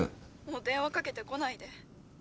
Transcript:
☎もう電話かけてこないで。